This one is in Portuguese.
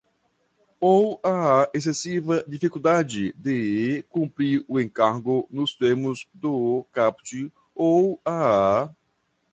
ou à excessiva dificuldade de cumprir o encargo nos termos do caput ou à